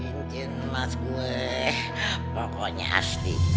cincin emas gue pokoknya asli